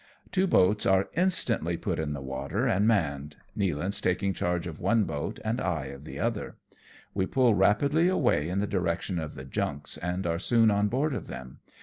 Two boats are instantly put in the water and manned ; Nealance taking charge of one boat, and I of the other. We pull rapidly away in the direction of the junks, and are soon on board of them.